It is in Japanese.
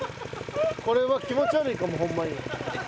これは気持ち悪いかもホンマに。